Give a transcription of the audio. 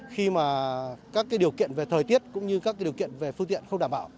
khi mà các điều kiện về thời tiết cũng như các điều kiện về phương tiện không đảm bảo